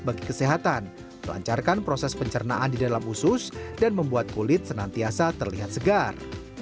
bagi kesehatan melancarkan proses pencernaan di dalam usus dan membuat kulit senantiasa terlihat segar